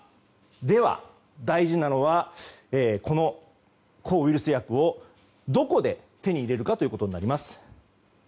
では、大事なのはこの抗ウイルス薬をどこで手に入れるかということになります。